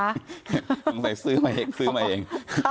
เอาไปซื้อมาเองซื้อมาเอง